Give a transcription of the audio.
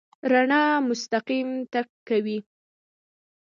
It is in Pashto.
رڼا مستقیم تګ کوي.